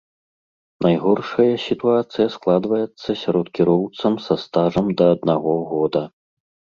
Найгоршая сітуацыя складваецца сярод кіроўцаў са стажам да аднаго года.